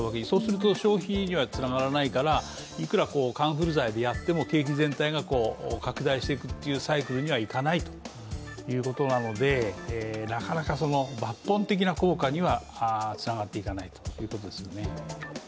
そうすると消費にはつながらないから、いくらカンフル剤でやっても景気全体が拡大していくサイクルにはいかないということなのでなかなか、抜本的な効果には、つながっていかないということですね。